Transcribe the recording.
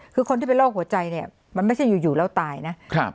คือคนที่เป็นโรคหัวใจเนี่ยมันไม่ใช่อยู่แล้วตายนะ